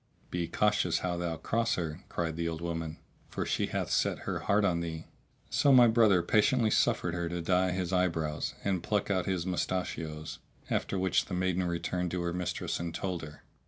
"Be cautious how thou cross her," cried the old woman; "for she hath set her heart on thee." So my brother patiently suffered her to dye his eyebrows and pluck out his mustachios, after which the maiden returned to her mistress and told her.